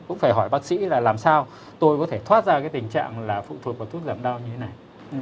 cũng phải hỏi bác sĩ là làm sao tôi có thể thoát ra cái tình trạng là phụ thuộc vào thuốc giảm đau như thế này